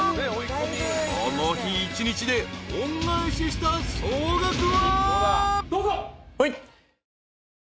［この日一日で恩返しした総額は］